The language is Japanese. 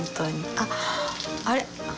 あっあれ？